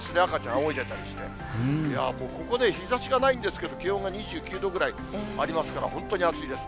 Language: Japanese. おいでたりなんかして、いやー、ここね、日ざしがないんですけれども、気温が２９度ぐらいありますから、本当に暑いです。